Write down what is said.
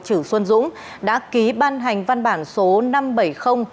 chử xuân dũng đã ký ban hành văn bản số năm trăm bảy mươi